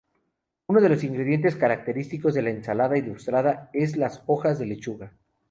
Uno de los ingredientes característicos de la ensalada ilustrada es las hojas de lechuga.